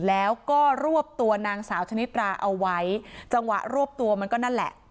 แล้วก็รวบตัวนางสาวชนิดราเอาไว้จังหวะรวบตัวมันก็นั่นแหละ